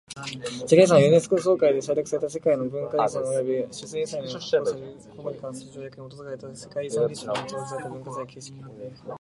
世界遺産はユネスコ総会で採択された世界の文化遺産及び自然遺産の保護に関する条約に基づいて世界遺産リストに登録された文化財、景観、自然など。